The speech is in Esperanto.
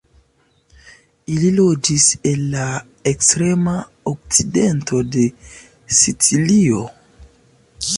Ili loĝis en la ekstrema okcidento de Sicilio.